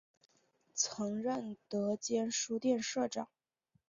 曾任德间书店社长。